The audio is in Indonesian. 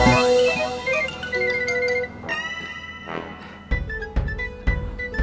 tidak ada yang bisa diberikan